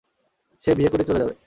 সে বিয়ে করে চলে যাবে!